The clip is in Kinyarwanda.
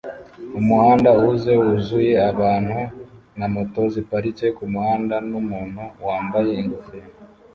Umuhanda uhuze wuzuye abantu na moto ziparitse kumuhanda numuntu wambaye ingofero